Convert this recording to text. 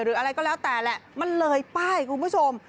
หรืออะไรก็แล้วแต่แหละมันเลยป้ายคุณผู้ชม